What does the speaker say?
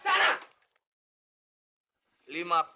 pergi ke sana kamu